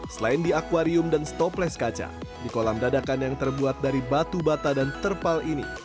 selain di akwarium dan stopless kaca di kolam dadakan yang terbuat dari batu bata dan terpal ini